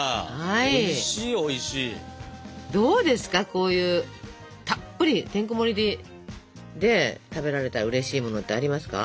こういうたっぷりてんこもりで食べられたらうれしいものってありますか？